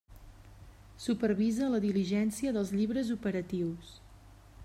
Supervisa la diligència dels llibres operatius.